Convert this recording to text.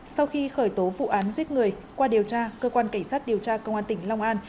sau khi khởi tố vụ án giết người qua điều tra cơ quan cảnh sát điều tra công an tỉnh long an